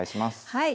はい。